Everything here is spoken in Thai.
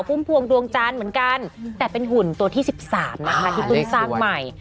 พุ่มพวงดวงจันทร์เหมือนกันแต่เป็นหุ่นตัวที่๑๓นะคะที่เพิ่งสร้างใหม่